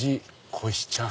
こひちゃん。